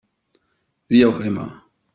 Wie auch immer.